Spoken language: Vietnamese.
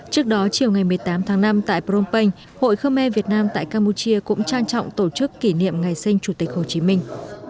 trước đó chiều ngày một mươi tám tháng năm tại phnom penh hội khơ me việt nam tại campuchia cũng trang trọng tổ chức kỷ niệm ngày sinh chủ tịch hồ chí minh